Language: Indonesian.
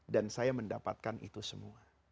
dan saya mendapatkan itu semua